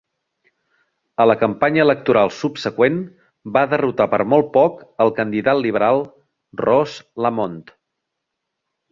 A la campanya electoral subseqüent, va derrotar per molt poc el candidat liberal Ross Lamont.